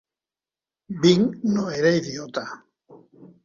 Bing no era idiota.